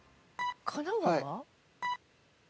神奈川？